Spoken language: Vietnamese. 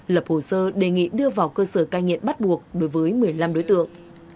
lập hồ sơ đề nghị đưa vào cơ sở cai nghiện bắt buộc đối với một mươi năm đối tượng